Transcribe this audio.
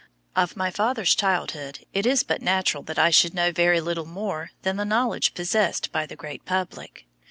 Of my father's childhood it is but natural that I should know very little more than the knowledge possessed by the great public.